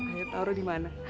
ayah taro di mana